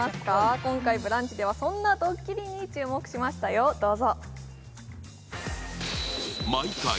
今回「ブランチ」ではそんなドッキリに注目しましたよ、どうぞ。